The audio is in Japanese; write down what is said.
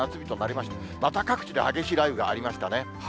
また各地で激しい雷雨がありましたね。